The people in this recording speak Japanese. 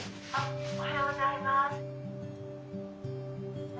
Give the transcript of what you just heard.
「おはようございます」。